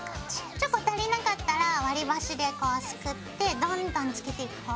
チョコ足りなかったら割り箸でこうすくってどんどんつけていこう。